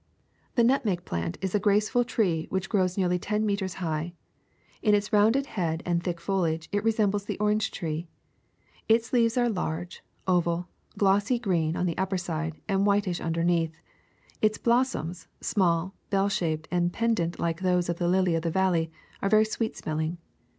The nutmeg plant is a grace Flowering Branch of Cinnamon Tree >> SPICES 201 ful tree which grows nearly ten meters high. In its rounded head and thick foliage it resembles the orange tree. Its leaves are large, oval, glossy green on the upper side, and whitish underneath ; its blos soms, small, bell shaped, and pendent like those of the lily of the valley, are very sweet smelling.